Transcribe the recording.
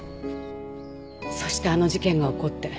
そしてあの事件が起こって。